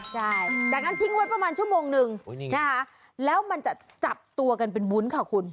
ใช่จากนั้นทิ้งไว้ประมาณชั่วโมงนึงนะคะแล้วมันจะจับตัวกันเป็นวุ้นค่ะคุณ